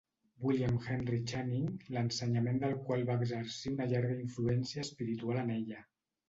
William Henry Channing, l'ensenyament del qual va exercir una llarga influència espiritual en ella.